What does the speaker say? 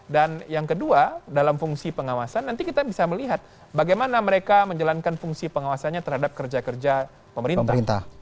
dan yang kedua dalam fungsi pengawasan nanti kita bisa melihat bagaimana mereka menjalankan fungsi pengawasannya terhadap kerja kerja pemerintah